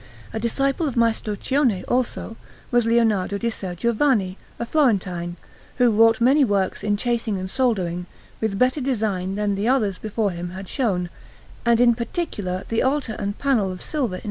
A disciple of Maestro Cione, also, was Leonardo di Ser Giovanni, a Florentine, who wrought many works in chasing and soldering, with better design than the others before him had shown, and in particular the altar and panel of silver in S.